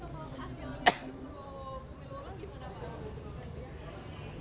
bagaimana hasil pemilu lagi pada waktu itu